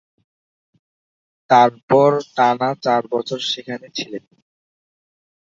তারপর টানা চার বছর সেখানে ছিলেন।